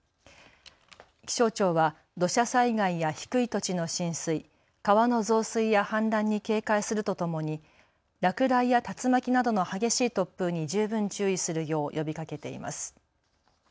気象庁は土砂災害や低い土地の浸水、川の増水や氾濫に警戒するとともに落雷や竜巻などの激しい突風に十分注意するよう呼びかけています。